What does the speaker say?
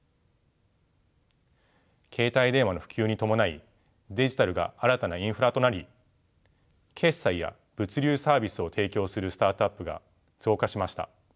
携帯電話の普及に伴いデジタルが新たなインフラとなり決済や物流サービスを提供するスタートアップが増加しました。